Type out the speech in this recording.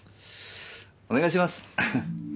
お願いします！